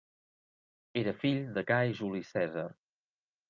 Era fill de Gai Juli Cèsar.